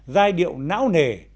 giai điệu não nề